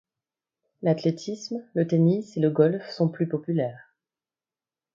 L'athlétisme, le tennis et le golf sont plus populaires.